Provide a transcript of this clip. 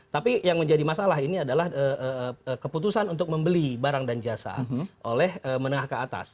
tapi yang menjadi masalah ini adalah keputusan untuk membeli barang dan jasa oleh menengah ke atas